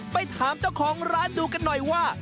ไปถามเจ้าของร้านดูกันหน่อยว่า